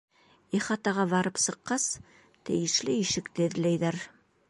Ихатаға барып сыҡҡас, тейешле ишекте эҙләйҙәр.